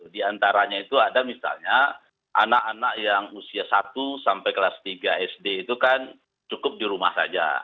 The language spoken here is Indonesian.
di antaranya itu ada misalnya anak anak yang usia satu sampai kelas tiga sd itu kan cukup di rumah saja